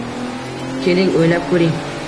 Keling, o'ylab ko'ring!